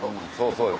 そうよ